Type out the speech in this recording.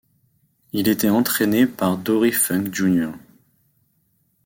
Il était entraîné par Dory Funk Jr.